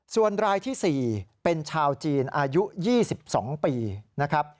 ส่วนรายที่๔เป็นชาวจีนอายุ๒๒ปีนะครับ